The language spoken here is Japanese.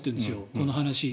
この話。